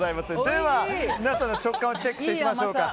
では皆さんの直感をチェックしていきましょうか。